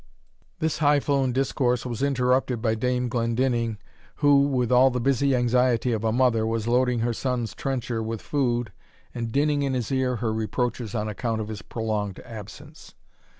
This high flown discourse was interrupted by Dame Glendinning, who, with all the busy anxiety of a mother, was loading her son's trencher with food, and dinning in his ear her reproaches on account of his prolonged absence.